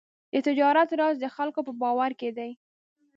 د تجارت راز د خلکو په باور کې دی.